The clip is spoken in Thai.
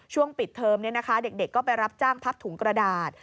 ช่วงปิดเทอมเด็กก็ไปรับจ้างพับถุงกระดาษ